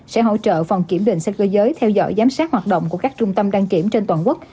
sẽ hỗ trợ phòng kiểm định xe cơ giới theo dõi giám sát hoạt động của các trung tâm đăng kiểm trên toàn quốc